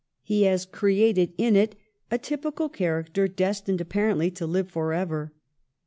He has created in it a typical character destined apparently to Hve for ever.